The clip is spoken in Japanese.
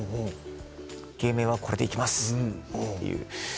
芸名はこれでいきますっていう。